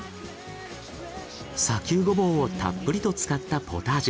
砂丘ゴボウをたっぷりと使ったポタージュ